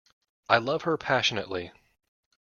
I love her passionately.